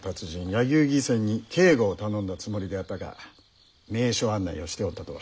柳生義仙に警護を頼んだつもりであったが名所案内をしておったとは。